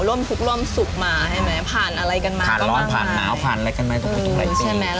ร่วมทุกร่วมสุกหลายปี